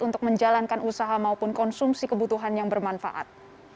untuk menjalankan usaha maupun konsumsi kebutuhan yang bermanfaat